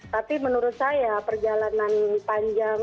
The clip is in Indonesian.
tapi menurut saya perjalanan panjang